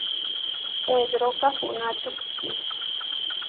Pedró kahuná tehkí.